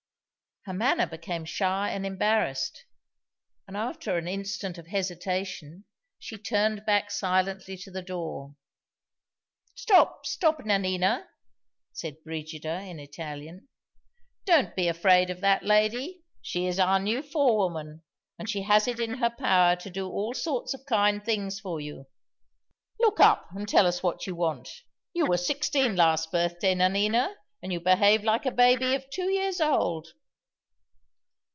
Her manner became shy and embarrassed; and after an instant of hesitation, she turned back silently to the door. "Stop, stop, Nanina," said Brigida, in Italian. "Don't be afraid of that lady. She is our new forewoman; and she has it in her power to do all sorts of kind things for you. Look up, and tell us what you want. You were sixteen last birthday, Nanina, and you behave like a baby of two years old!"